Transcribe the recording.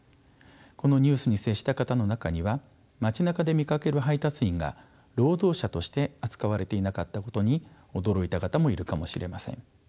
このニュースに接した方の中には街なかで見かける配達員が労働者として扱われていなかったことに驚いた方もいるかもしれません。